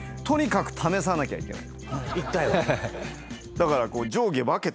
だから。